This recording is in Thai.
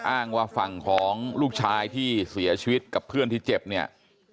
อ้างว่าฝั่งของลูกชายที่เสียชีวิตกับเพื่อนที่เจ็บเนี่ย